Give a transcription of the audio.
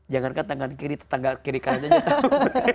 jangankan tangan kiri tangan kiri kanannya tidak tahu